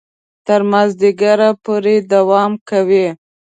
تر مازیګره پورې دوام کوي.